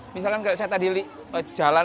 misalkan saya tadi jalan ke jawa